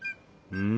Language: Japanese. うん？